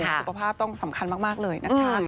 สุขภาพต้องสำคัญมากเลยนะคะ